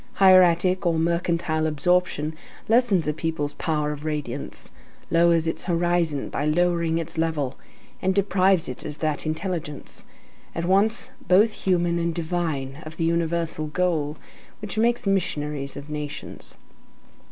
Hieratic or mercantile absorption lessens a people's power of radiance, lowers its horizon by lowering its level, and deprives it of that intelligence, at once both human and divine of the universal goal, which makes missionaries of nations.